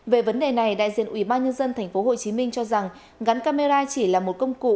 về vấn đề này đại diện ủy ban nhân dân tp hcm cho rằng gắn camera chỉ là một công cụ